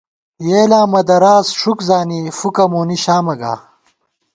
یېلاں مہ دراس ݭُک زانی، فُکہ مونی شامہ گا